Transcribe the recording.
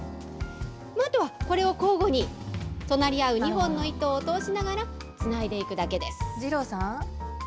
あとはこれを交互に、隣り合う２本の糸を通しながら、つないでいくだけです。